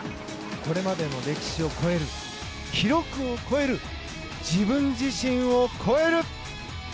これまでの歴史を超える記録を超える自分自身を超える！